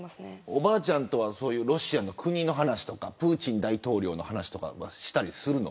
おばあちゃんとはロシアの話とかプーチン大統領の話はしたりするの。